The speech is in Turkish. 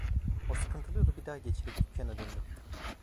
O sıkıntılı yolu bir daha geçerek dükkana döndüm.